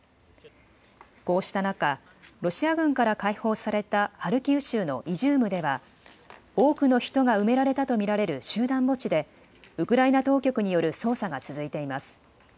こうした中、ロシア軍から解放されたハルキウ州のイジュームでは、多くの人が埋められたと見られる集団墓地で、ウクライナ当局による捜査が続いています。